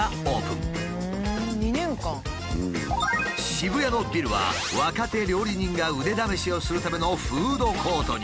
渋谷のビルは若手料理人が腕試しをするためのフードコートに。